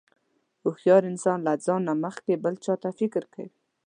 هوښیار انسان له ځان نه مخکې بل چاته فکر کوي.